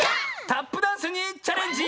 タップダンスにチャレンジ！